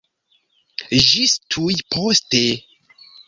Ĝis tuj poste!